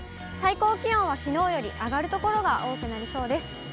最高気温はきのうより上がる所が多くなりそうです。